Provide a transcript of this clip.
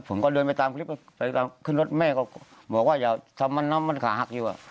ผมก็เดินไปตามคลิปเขาบอกว่าอย่าทำมันมันขาหักอยู่